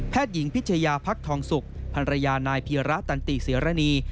หญิงพิชยาพักทองสุกภรรยานายเพียระตันติเสรณี